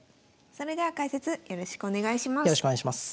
それでは解説よろしくお願いします。